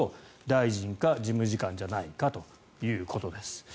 大臣か事務次官じゃないかということです。